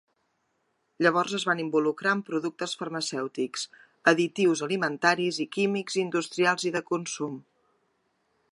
Llavors es va involucrar en productes farmacèutics, additius alimentaris i químics industrials i de consum.